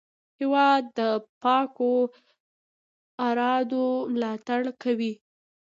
هېواد د پاکو ارادو ملاتړ دی.